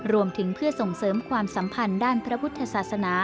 รวมถึงเพื่อส่งเสริมความสัมพันธ์ด้านพระพุทธศาสนา